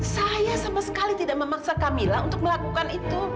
saya sama sekali tidak memaksa camilla untuk melakukan itu